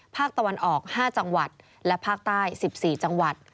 ภาคตะวันออก๕จังหวัดและภาคใต้๑๔จังหวัด